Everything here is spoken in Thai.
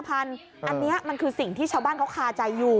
อันนี้มันคือสิ่งที่ชาวบ้านเขาคาใจอยู่